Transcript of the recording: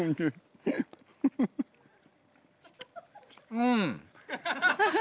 うん。